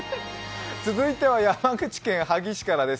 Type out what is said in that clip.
続いては山口県萩市からです。